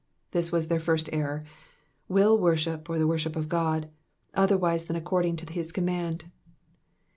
''^ This was their first error will worship, or the worship of God, otherwise than according to his command.